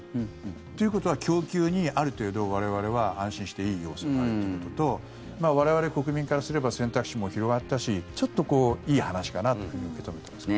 ということは供給にある程度、我々は安心していい要素があることと我々、国民からすれば選択肢も広がったしちょっといい話かなと受け止めてます。